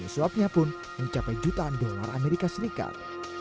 suapnya pun mencapai jutaan dolar amerika serikat